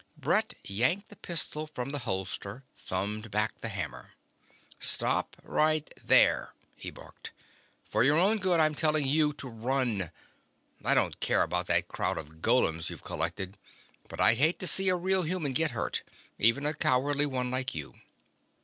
Brett yanked the pistol from the holster, thumbed back the hammer. "Stop right there!" he barked. "For your own good I'm telling you to run. I don't care about that crowd of golems you've collected, but I'd hate to see a real human get hurt even a cowardly one like you."